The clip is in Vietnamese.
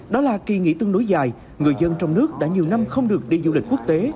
đó là kỳ nghỉ tương đối dài người dân trong nước đã nhiều năm không được đi du lịch quốc tế